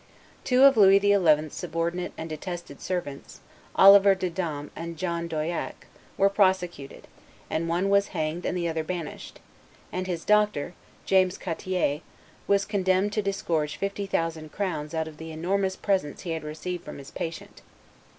Two of Louis XI.'s subordinate and detested servants, Oliver de Daim and John Doyac, were prosecuted, and one was hanged and the other banished; and his doctor, James Cattier, was condemned to disgorge fifty thousand crowns out of the enormous presents he had received from his patient.